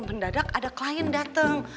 mendadak ada klien dateng